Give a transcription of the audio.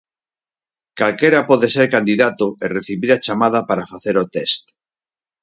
Calquera pode ser candidato e recibir a chamada para facer o test.